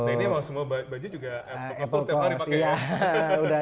nah ini emang semua baju juga apple coast setiap kali pakai